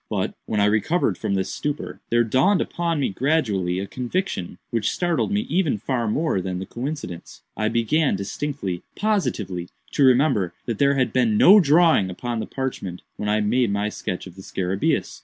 But, when I recovered from this stupor, there dawned upon me gradually a conviction which startled me even far more than the coincidence. I began distinctly, positively, to remember that there had been no drawing upon the parchment when I made my sketch of the scarabæus.